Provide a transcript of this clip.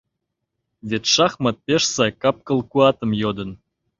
Вет шахмат пеш сай капкыл куатым йодын.